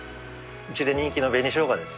うちで人気の紅しょうがです。